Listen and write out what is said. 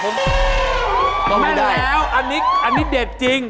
ต้องกินได้มั่นแล้วอันนี้เด็ดจริง